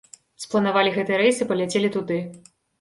Спланавалі гэты рэйс і паляцелі туды.